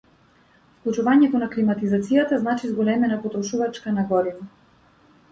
Вклучувањето на климатизацијата значи зголемена потрошувачка на гориво.